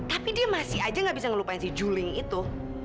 tapi dia masih aja gak bisa ngelupain si juling itu